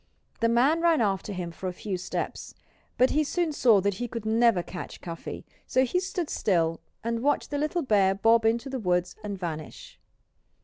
The man ran after him for a few steps. But he soon saw that he could never catch Cuffy. So he stood still and watched the little bear bob into the woods and vanish.